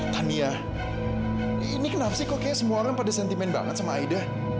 tania ini kenapa sih kok kayaknya semua orang pada sentimen banget sama aida